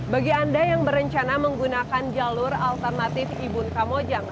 bagi anda yang berencana menggunakan jalur alternatif ibu nka mojang